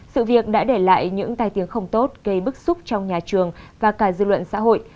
sự việc đã để lại những tai tiếng không tốt gây bức xúc trong nhà trường và cả dư luận xã hội